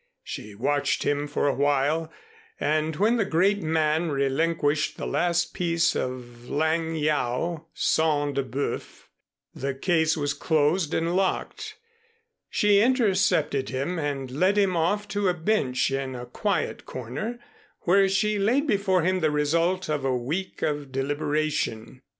She watched him for a while and when the great man relinquished the last piece of Lang Yao sang de bœuf and the case was closed and locked, she intercepted him and led him off to a bench in a quiet corner where she laid before him the result of a week of deliberation.